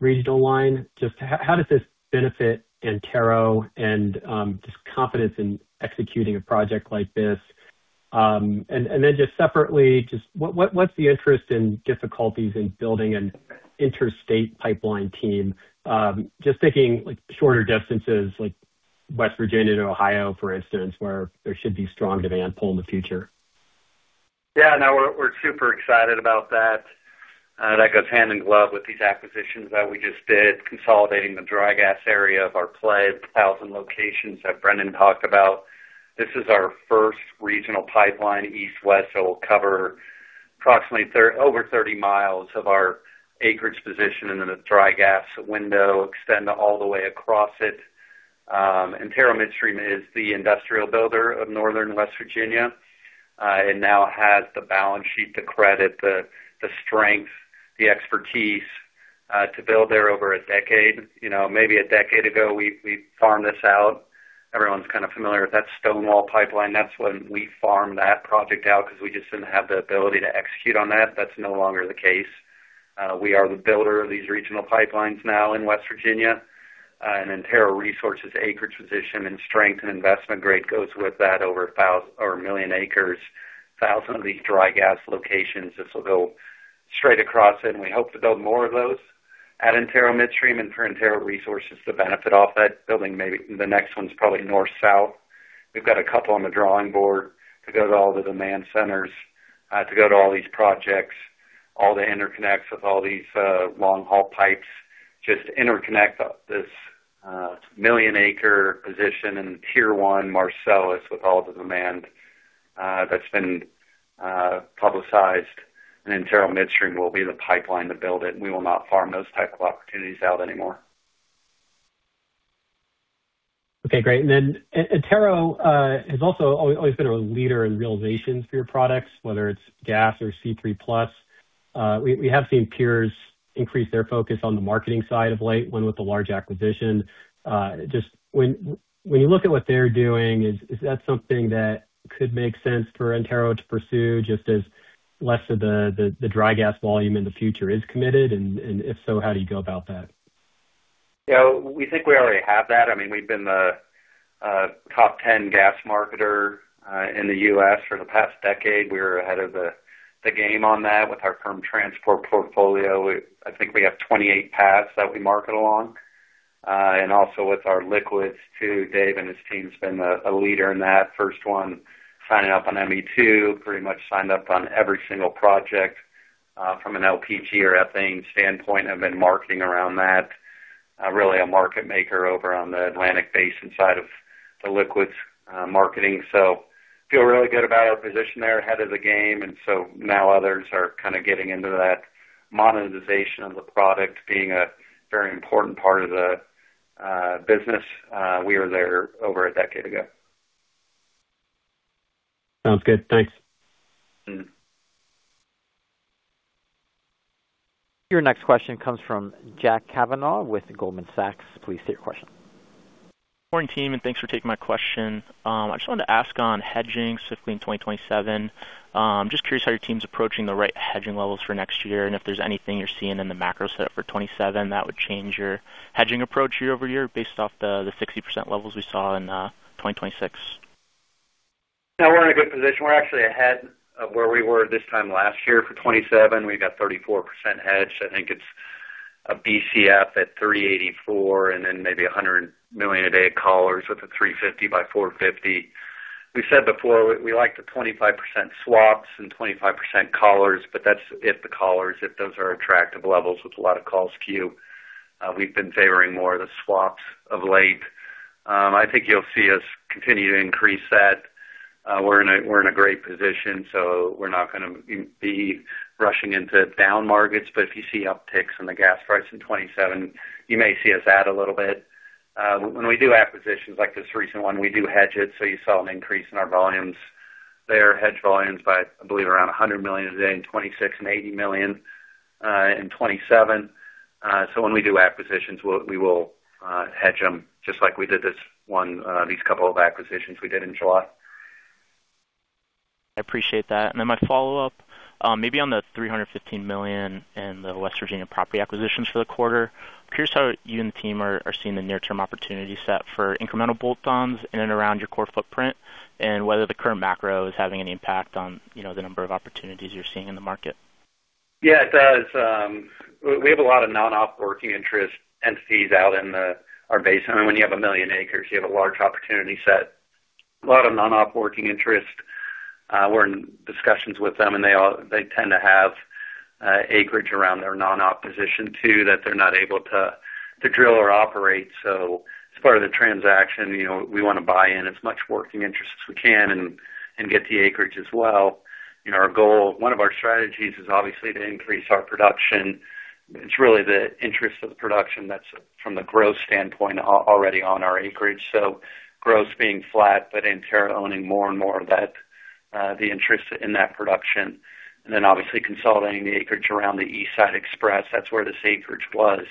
regional line. Just how does this benefit Antero and just confidence in executing a project like this? Separately, what's the interest in difficulties in building an interstate pipeline team? Just thinking shorter distances like West Virginia to Ohio, for instance, where there should be strong demand pull in the future. Yeah. No, we're super excited about that. That goes hand in glove with these acquisitions that we just did, consolidating the dry gas area of our play, the 1,000 locations that Brendan talked about. This is our first regional pipeline east-west, it'll cover approximately over 30 miles of our acreage position into the dry gas window, extend all the way across it. Antero Midstream is the industrial builder of northern West Virginia. It now has the balance sheet, the credit, the strength, the expertise to build there over a decade. Maybe a decade ago, we farmed this out. Everyone's kind of familiar with that Stonewall Pipeline. That's when we farmed that project out because we just didn't have the ability to execute on that. That's no longer the case. We are the builder of these regional pipelines now in West Virginia, Antero Resources' acreage position and strength and investment grade goes with that over 1 million acres, thousands of these dry gas locations. This will go straight across it, we hope to build more of those at Antero Midstream. For Antero Resources to benefit off that building, maybe the next one's probably north-south. We've got a couple on the drawing board to go to all the demand centers, to go to all these projects, all the interconnects with all these long-haul pipes. Just to interconnect this 1 million-acre position in Tier 1 Marcellus with all the demand that's been publicized, Antero Midstream will be the pipeline to build it, we will not farm those type of opportunities out anymore. Okay, great. Antero has also always been a leader in realizations for your products, whether it's gas or C3+. We have seen peers increase their focus on the marketing side of late, one with a large acquisition. When you look at what they're doing, is that something that could make sense for Antero to pursue just as less of the dry gas volume in the future is committed? If so, how do you go about that? We think we already have that. We've been the top 10 gas marketer in the U.S. for the past decade. We were ahead of the game on that with our firm transport portfolio. I think we have 28 paths that we market along. Also with our liquids too, Dave and his team's been a leader in that first one, signing up on Mariner East 2, pretty much signed up on every single project from an LPG or ethane standpoint, have been marketing around that. A market maker over on the Atlantic Basin side of the liquids marketing. Feel really good about our position there ahead of the game. Others are getting into that monetization of the product being a very important part of the business. We were there over a decade ago. Sounds good. Thanks. Your next question comes from Jack Cavanagh with Goldman Sachs. Please state your question. Morning, team, and thanks for taking my question. I just wanted to ask on hedging, specifically in 2027. I'm just curious how your team's approaching the right hedging levels for next year and if there's anything you're seeing in the macro set for 2027 that would change your hedging approach year-over-year based off the 60% levels we saw in 2026. No, we're in a good position. We're actually ahead of where we were this time last year. For 2027, we've got 34% hedged. I think it's a BCF at $3.84 and then maybe 100 million a day of collars with a $3.50 by $4.50. We said before, we like the 25% swaps and 25% collars, but that's if the collars, if those are attractive levels with a lot of calls queue. We've been favoring more of the swaps of late. I think you'll see us continue to increase that. We're in a great position, we're not going to be rushing into down markets. If you see upticks in the gas price in 2027, you may see us add a little bit. When we do acquisitions like this recent one, we do hedge it, so you saw an increase in our volumes there, hedged volumes by, I believe, around 100 million a day in 2026 and 80 million in 2027. When we do acquisitions, we will hedge them just like we did this one, these couple of acquisitions we did in July. I appreciate that. My follow-up, maybe on the $315 million in the West Virginia property acquisitions for the quarter. I'm curious how you and the team are seeing the near-term opportunity set for incremental bolt-ons in and around your core footprint and whether the current macro is having any impact on the number of opportunities you're seeing in the market. Yeah, it does. We have a lot of non-op working interest entities out in our basin. When you have 1 million acres, you have a large opportunity set. A lot of non-op working interest. We're in discussions with them, and they tend to have acreage around their non-op position too that they're not able to drill or operate. As part of the transaction, we want to buy in as much working interest as we can and get the acreage as well. One of our strategies is obviously to increase our production. It's really the interest of the production that's from the growth standpoint already on our acreage. Growth being flat, but Antero owning more and more of the interest in that production. Obviously consolidating the acreage around the East Side Express. That's where this acreage was.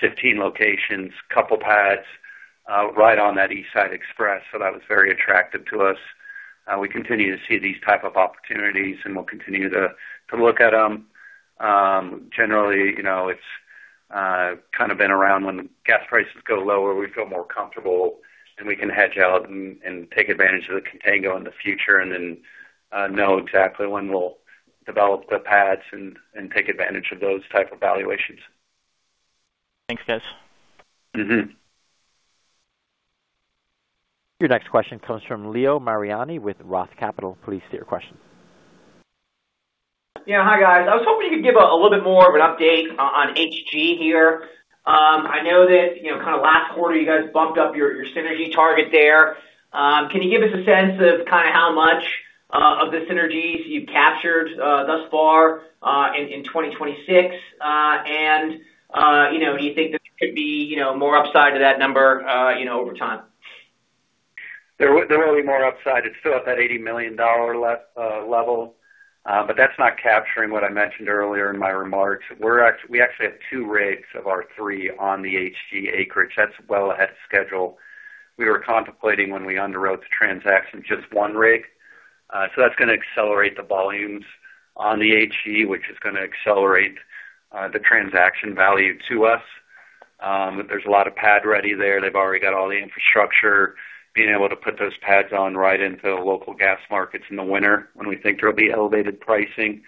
15 locations, couple pads right on that East Side Express. That was very attractive to us. We continue to see these type of opportunities, and we'll continue to look at them. Generally, it's kind of been around when gas prices go lower, we feel more comfortable, and we can hedge out and take advantage of the contango in the future, and then know exactly when we'll develop the pads and take advantage of those type of valuations. Thanks, guys. Your next question comes from Leo Mariani with Roth Capital. Please state your question. Yeah. Hi, guys. I was hoping you could give a little bit more of an update on HG here. I know that, kind of last quarter, you guys bumped up your synergy target there. Can you give us a sense of kind of how much of the synergies you've captured thus far in 2026? Do you think that there could be more upside to that number over time? There will be more upside. It's still at that $80 million level. That's not capturing what I mentioned earlier in my remarks. We actually have two rigs of our three on the HG acreage. That's well ahead of schedule. We were contemplating when we underwrote the transaction, just one rig. That's going to accelerate the volumes on the HG, which is going to accelerate the transaction value to us. There's a lot of pad-ready there. They've already got all the infrastructure. Being able to put those pads on right into local gas markets in the winter when we think there'll be elevated pricing,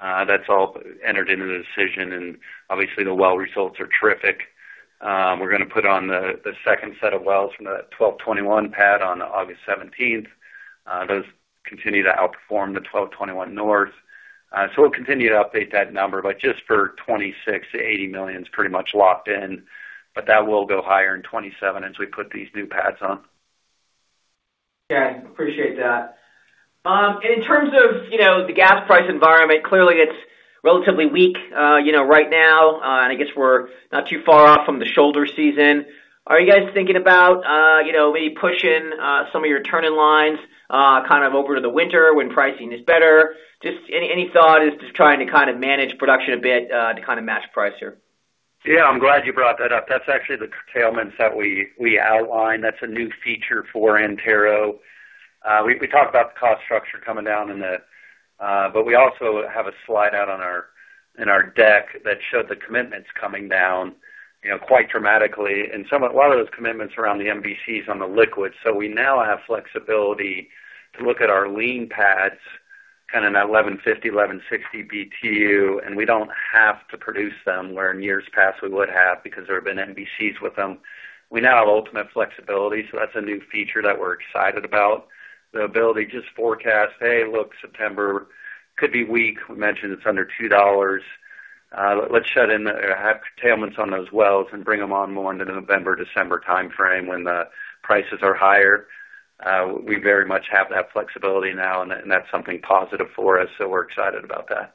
that's all entered into the decision. Obviously the well results are terrific. We're going to put on the second set of wells from the 1221 pad on August 17th. Those continue to outperform the 1221 North. We'll continue to update that number. Just for 2026, $80 million is pretty much locked in, but that will go higher in 2027 as we put these new pads on. Okay. Appreciate that. In terms of the gas price environment, clearly it's relatively weak right now. I guess we're not too far off from the shoulder season. Are you guys thinking about maybe pushing some of your turning lines kind of over to the winter when pricing is better? Just any thought as to trying to kind of manage production a bit, to kind of match price here? Yeah, I'm glad you brought that up. That's actually the curtailments that we outlined. That's a new feature for Antero. We talked about the cost structure coming down. We also have a slide out in our deck that showed the commitments coming down quite dramatically, and a lot of those commitments around the MVCs on the liquids. We now have flexibility to look at our lean pads, kind of in that 1150, 1160 BTU, and we don't have to produce them, where in years past we would have because there have been MVCs with them. We now have ultimate flexibility, so that's a new feature that we're excited about. The ability to just forecast, "Hey, look, September could be weak." We mentioned it's under $2. Let's shut in, have curtailments on those wells and bring them on more into the November, December timeframe when the prices are higher. We very much have that flexibility now. That's something positive for us. We're excited about that.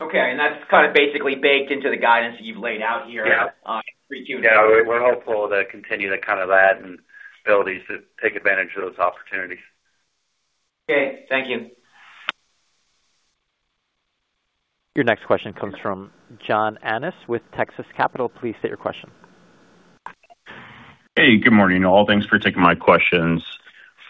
Okay. That's kind of basically baked into the guidance that you've laid out here. Yeah. On 3Q. Yeah. We're hopeful to continue to kind of add abilities to take advantage of those opportunities. Okay. Thank you. Your next question comes from John Annis with Texas Capital. Please state your question. Hey, good morning, all. Thanks for taking my questions.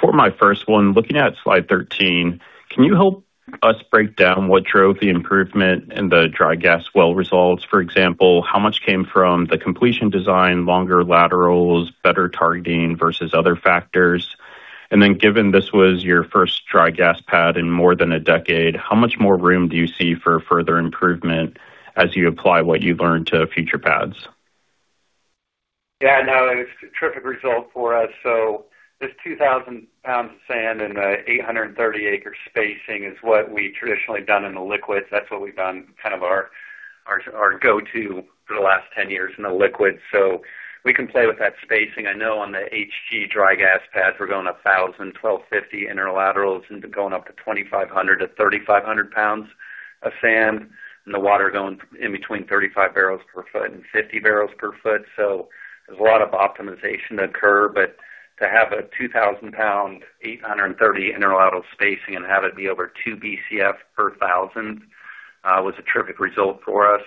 For my first one, looking at slide 13, can you help us break down what drove the improvement in the dry gas well results? For example, how much came from the completion design, longer laterals, better targeting versus other factors? Given this was your first dry gas pad in more than a decade, how much more room do you see for further improvement as you apply what you learned to future pads? No, it's a terrific result for us. This 2,000 pounds of sand and 830-acre spacing is what we've traditionally done in the liquids. That's what we've done kind of our go-to for the last 10 years in a liquid. We can play with that spacing. I know on the HG dry gas pad, we're going 1,000, 1,250 inner laterals into going up to 2,500 to 3,500 pounds of sand, and the water going in between 35 barrels per foot and 50 barrels per foot. There's a lot of optimization to occur. To have a 2,000 pound, 830 inner lateral spacing and have it be over two Bcf per thousand, was a terrific result for us.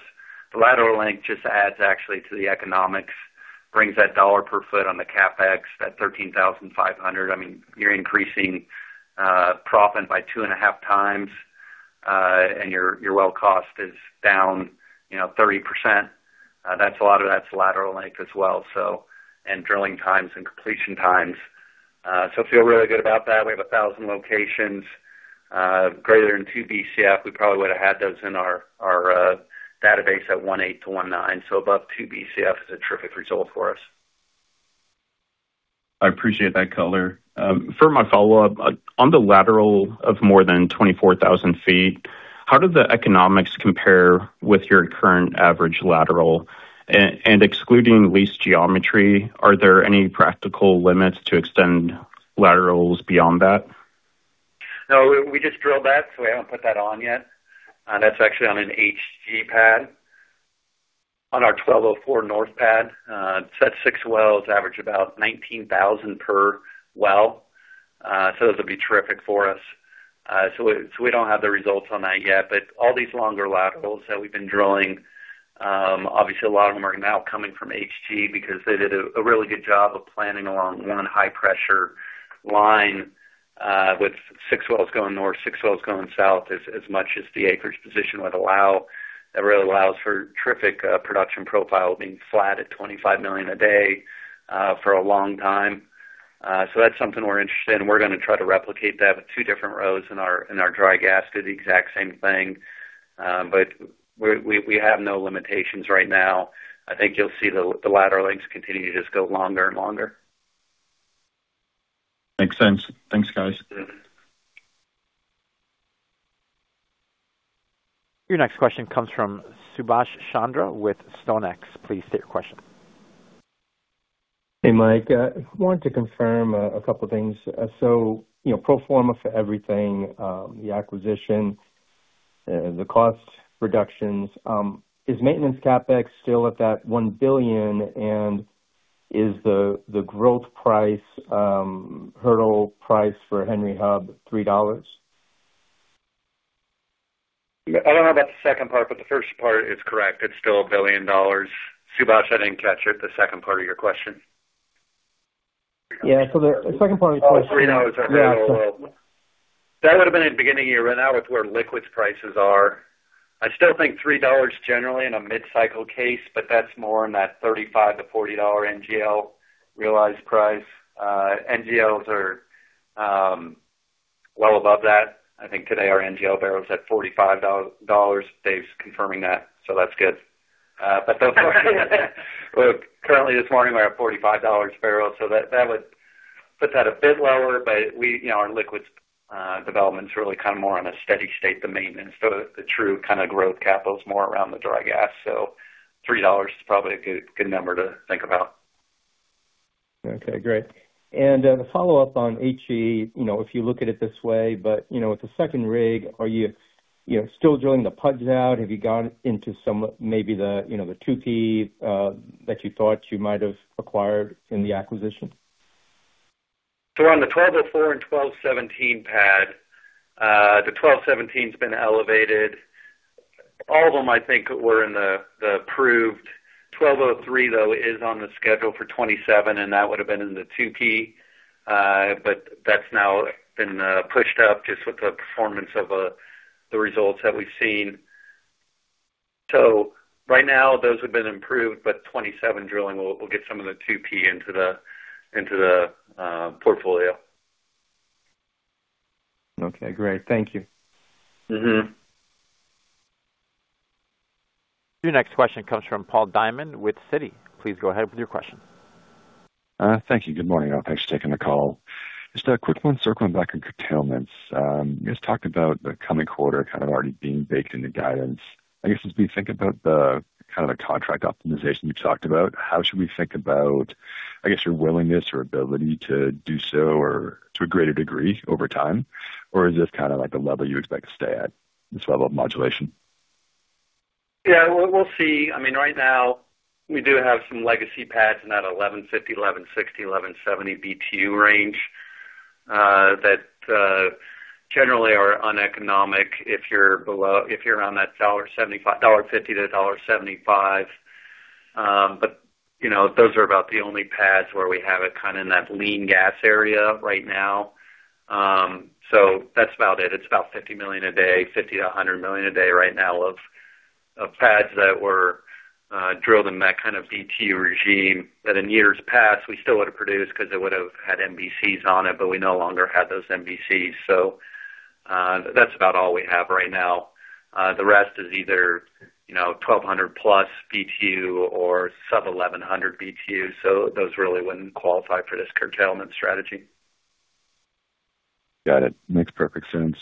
The lateral length just adds actually to the economics. Brings that dollar per foot on the CapEx, that $13,500. I mean, you're increasing proppant by two and a half times, and your well cost is down 30%. That's a lot of lateral length as well. Drilling times and completion times. Feel really good about that. We have 1,000 locations greater than two Bcf. We probably would have had those in our database at 1.8 to 1.9. Above two Bcf is a terrific result for us. I appreciate that color. For my follow-up, on the lateral of more than 24,000 feet, how do the economics compare with your current average lateral? Excluding lease geometry, are there any practical limits to extend laterals beyond that? No, we just drilled that, we haven't put that on yet. That's actually on an HG pad on our 1204 North pad. It's at six wells, average about 19,000 per well. Those will be terrific for us. We don't have the results on that yet, all these longer laterals that we've been drilling, obviously a lot of them are now coming from HG because they did a really good job of planning along one high-pressure line with six wells going north, six wells going south as much as the acreage position would allow. That really allows for terrific production profile being flat at 25 million a day for a long time. That's something we're interested in. We're going to try to replicate that with two different rows in our dry gas, do the exact same thing. We have no limitations right now. I think you'll see the lateral lengths continue to just go longer and longer. Makes sense. Thanks, guys. Your next question comes from Subash Chandra with StoneX. Please state your question. Hey, Mike. I wanted to confirm a couple things. Pro forma for everything, the acquisition, the cost reductions. Is maintenance CapEx still at that $1 billion? Is the growth price, hurdle price for Henry Hub $3? I don't know about the second part, but the first part is correct. It's still $1 billion. Subash, I didn't catch it, the second part of your question. Yeah. The second part of the question. Oh, $3. That would've been in beginning of year. Right now with where liquids prices are, I still think $3 generally in a mid-cycle case, but that's more in that $35-$40 NGL realized price. NGLs are well above that. I think today our NGL barrel's at $45. Dave's confirming that's good. Currently this morning we're at $45 barrel, that would put that a bit lower. Our liquids development's really more on a steady state than maintenance. The true growth capital is more around the dry gas. $3 is probably a good number to think about. Okay, great. A follow-up on HG, if you look at it this way, but with the second rig, are you still drilling the PUDs out? Have you gone into some, maybe the 2P that you thought you might have acquired in the acquisition? On the 1204 and 1217 pad, the 1217's been elevated. All of them I think were in the approved. 1203 though is on the schedule for 2027, and that would've been in the 2P. That's now been pushed up just with the performance of the results that we've seen. Right now those have been improved, but 2027 drilling will get some of the 2P into the portfolio. Okay, great. Thank you. Your next question comes from Paul Diamond with Citi. Please go ahead with your question. Thank you. Good morning all. Thanks for taking the call. Just a quick one circling back on curtailments. You guys talked about the coming quarter kind of already being baked into guidance. I guess as we think about the kind of the contract optimization you've talked about, how should we think about, I guess, your willingness or ability to do so, or to a greater degree over time? Or is this kind of like the level you expect to stay at, this level of modulation? Yeah, we'll see. Right now we do have some legacy pads in that 1,150, 1,160, 1,170 BTU range, that generally are uneconomic if you're around that $1.50-$1.75. Those are about the only pads where we have it kind of in that lean gas area right now. That's about it. It's about 50 million a day, 50-100 million a day right now of pads that were drilled in that kind of BTU regime. That in years past we still would've produced because it would've had MVCs on it, but we no longer have those MVCs. That's about all we have right now. The rest is either 1,200-plus BTU or sub-1,100 BTU, those really wouldn't qualify for this curtailment strategy. Got it. Makes perfect sense.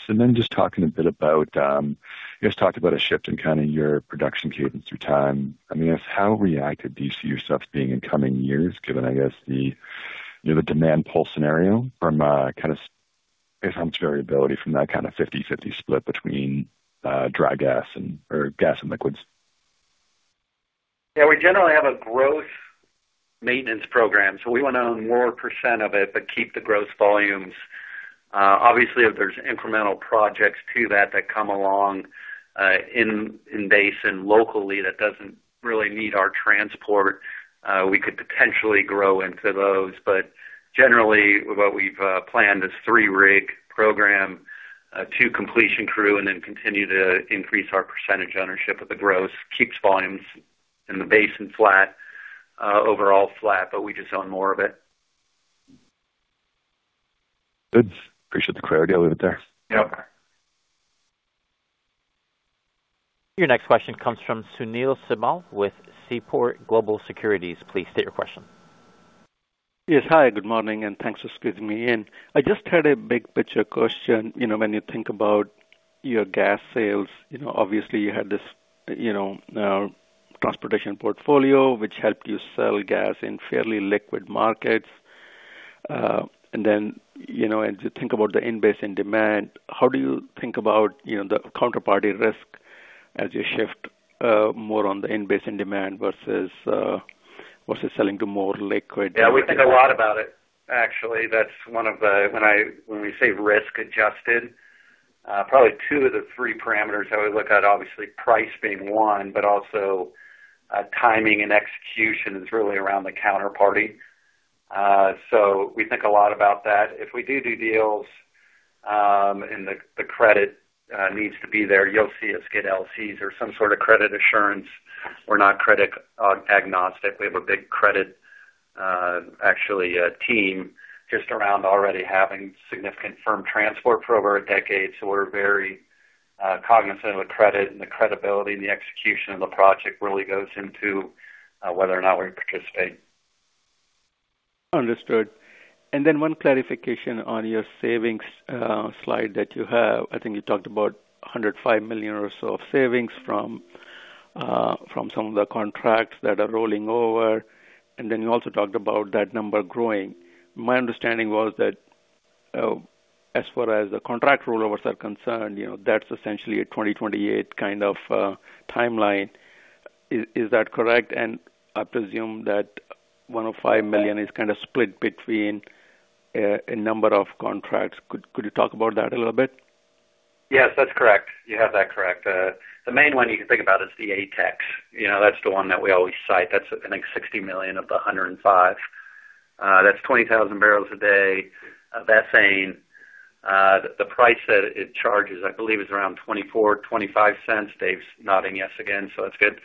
You guys talked about a shift in your production cadence through time. How reactive do you see yourself being in coming years, given, I guess, the demand pull scenario from kind of variability from that kind of 50/50 split between dry gas or gas and liquids? Yeah, we generally have a growth maintenance program, we want to own more % of it, but keep the growth volumes. Obviously if there's incremental projects to that that come along in basin locally that doesn't really need our transport, we could potentially grow into those. Generally, what we've planned is three-rig program, two completion crew, and then continue to increase our percentage ownership of the gross. Keeps volumes in the basin flat, overall flat, but we just own more of it. Good. Appreciate the clarity. I'll leave it there. Yep. Your next question comes from Sunil Sibal with Seaport Global Securities. Please state your question. Yes. Hi, good morning, and thanks for squeezing me in. I just had a big picture question. When you think about your gas sales, obviously you had this transportation portfolio which helped you sell gas in fairly liquid markets. Then, as you think about the in-basin demand, how do you think about the counterparty risk as you shift more on the in-basin demand versus selling to more liquid- Yeah, we think a lot about it, actually. That's one of the When we say risk-adjusted Probably two of the three parameters I would look at, obviously price being one, but also timing and execution is really around the counterparty. We think a lot about that. If we do deals and the credit needs to be there, you'll see us get LCs or some sort of credit assurance. We're not credit agnostic. We have a big credit, actually, a team just around already having significant firm transport for over a decade. We're very cognizant of the credit, and the credibility, and the execution of the project really goes into whether or not we participate. Understood. Then one clarification on your savings slide that you have. I think you talked about $105 million or so of savings from some of the contracts that are rolling over, and then you also talked about that number growing. My understanding was that as far as the contract rollovers are concerned, that's essentially a 2028 kind of timeline. Is that correct? I presume that $105 million is kind of split between a number of contracts. Could you talk about that a little bit? Yes, that's correct. You have that correct. The main one you can think about is the ATEX. That's the one that we always cite. That's, I think, $60 million of the $105 million. That's 20,000 barrels a day of ethane. The price that it charges, I believe, is around $0.24, $0.25. Dave's nodding yes again, so it's good.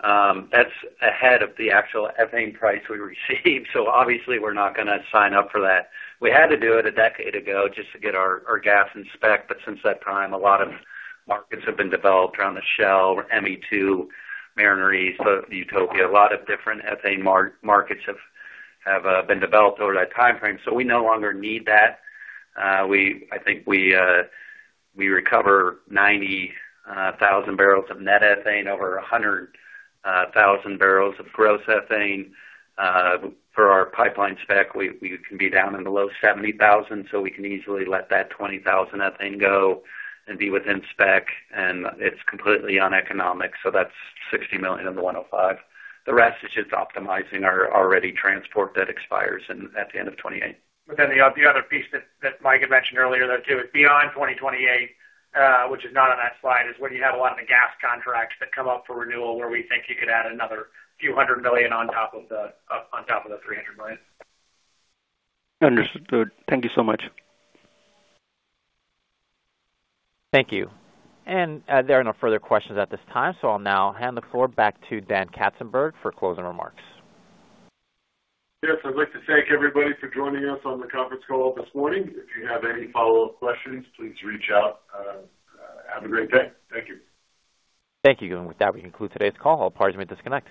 That's ahead of the actual ethane price we received. Obviously we're not going to sign up for that. We had to do it a decade ago just to get our gas in spec, since that time, a lot of markets have been developed around the Shell, ME2, Mariner East, Utopia. A lot of different ethane markets have been developed over that time frame. We no longer need that. I think we recover 90,000 barrels of net ethane, over 100,000 barrels of gross ethane. For our pipeline spec, we can be down in the low 70,000. We can easily let that 20,000 ethane go and be within spec, and it's completely uneconomic. That's $60 million of the $105 million. The rest is just optimizing our ready transport that expires at the end of 2028. The other piece that Mike had mentioned earlier, though, too, is beyond 2028, which is not on that slide, is where you have a lot of the gas contracts that come up for renewal, where we think you could add another few hundred million on top of the $300 million. Understood. Thank you so much. Thank you. There are no further questions at this time. I'll now hand the floor back to Dan Katzenberg for closing remarks. Yes, I'd like to thank everybody for joining us on the conference call this morning. If you have any follow-up questions, please reach out. Have a great day. Thank you. Thank you. With that, we conclude today's call. All parties may disconnect.